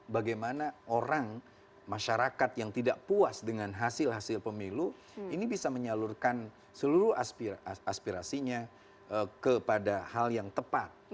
bagaimana orang masyarakat yang tidak puas dengan hasil hasil pemilu ini bisa menyalurkan seluruh aspirasinya kepada hal yang tepat